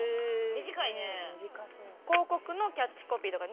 短いね。